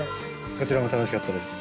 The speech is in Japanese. こちらも楽しかったです。